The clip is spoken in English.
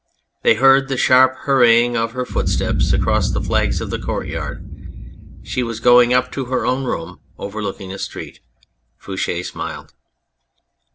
They heard the sharp hurrying of her footsteps cross the flags of the courtyard ; she was going up to her own room overlooking the street. Fouche smiled.